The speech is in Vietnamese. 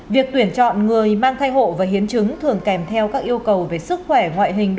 việc tuyển chọn người mang thai hộ và hiến chứng thường kèm theo các ý kiến